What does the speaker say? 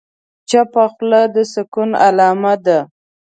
چپه خوله، د سکون علامه ده.